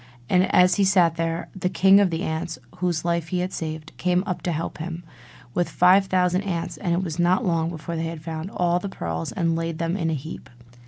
And as he sat there, the king of the ants (whose life he had saved) came to help him, with five thousand ants; and it was not long before they had found all the pearls and laid them in a heap.